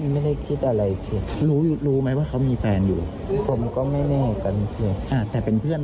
ไม่ได้คิดอะไรรู้ไหมว่าเขามีแฟนอยู่ไม่ได้แต่เป็นเพื่อน